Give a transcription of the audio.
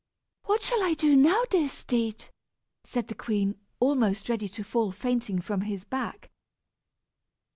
"What shall I do now, dear steed?" said the queen, almost ready to fall fainting from his back.